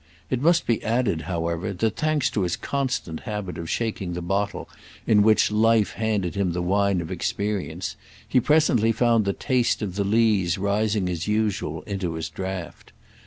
It must be added however that, thanks to his constant habit of shaking the bottle in which life handed him the wine of experience, he presently found the taste of the lees rising as usual into his draught.